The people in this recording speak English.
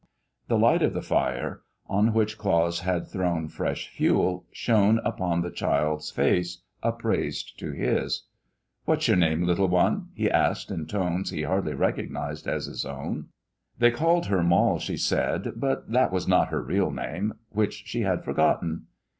The light of the fire, on which Claus had thrown fresh fuel, shone upon the child face upraised to his. "What is your name, little one?" he asked in tones he hardly recognized as his own. They called her Moll, she said, but that was not her real name, which she had forgotten.